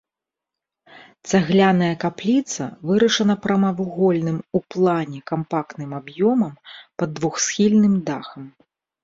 Цагляная капліца вырашана прамавугольным у плане кампактным аб'ёмам пад двухсхільным дахам.